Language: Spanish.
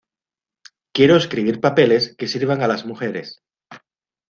Quiero escribir papeles que sirvan a las mujeres.